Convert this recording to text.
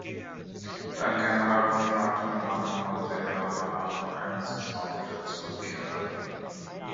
Dank einer Halbfinalteilnahme konnte er aber nach nur einer Saison wieder zurückkehren.